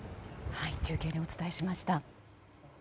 中継でお伝えしました。